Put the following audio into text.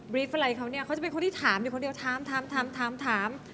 รีฟอะไรเขาเนี่ยเขาจะเป็นคนที่ถามอยู่คนเดียวถามถาม